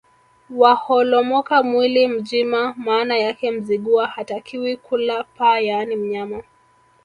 Waholomoka mwili mjima Maana yake Mzigua hatakiwi kula paa yaani mnyama